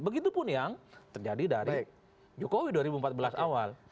begitupun yang terjadi dari jokowi dua ribu empat belas awal